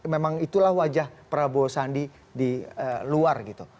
memang itulah wajah prabowo sandi di luar gitu